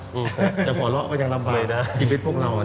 โอ้โฮแต่หัวเราะก็ยังลำบาลนะเอเห้ี่ชีวิตพวกเรา